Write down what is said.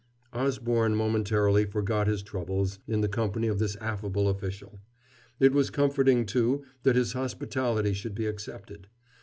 Osborne momentarily forgot his troubles in the company of this affable official. It was comforting, too, that his hospitality should be accepted.